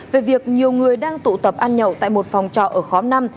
về việc nhiều người đang tụ tập ăn nhậu tại một phòng trọ ở khóm năm